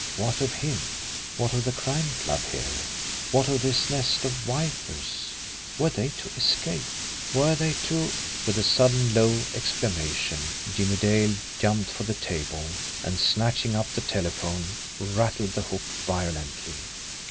What of him? What of the Crime Club here? What of this nest of vipers? Were they to escape? Were they to With a sudden, low exclamation, Jimmie Dale jumped for the table, and, snatching up the telephone, rattled the hook violently.